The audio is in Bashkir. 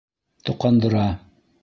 Тоҡандыра.